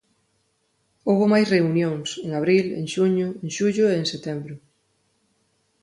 Houbo máis reunións, en abril, en xuño, en xullo e en setembro.